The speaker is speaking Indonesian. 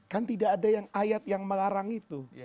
kan tidak ada yang ayat yang melarang itu